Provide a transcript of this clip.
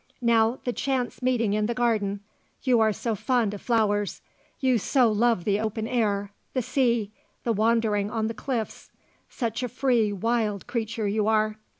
Now the chance meeting in the garden; you are so fond of flowers; you so love the open air, the sea, the wandering on the cliffs; such a free, wild creature you are.